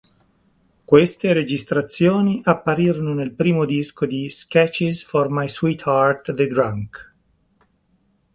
Queste registrazioni apparirono nel primo disco di "Sketches for My Sweetheart the Drunk".